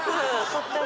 とっても。